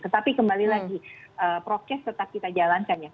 tetapi kembali lagi prokes tetap kita jalankan ya